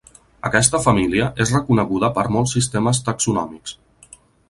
Aquesta família és reconeguda per molts sistemes taxonòmics.